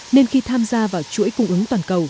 nên khi tham gia vào chuỗi cung ứng toàn cầu